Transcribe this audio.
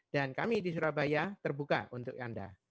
dan kami di surabaya terbuka untuk anda